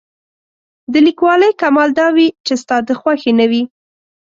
د لیکوالۍ کمال دا وي چې ستا د خوښې نه وي.